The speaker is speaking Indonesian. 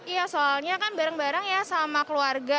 iya soalnya kan bareng bareng ya sama keluarga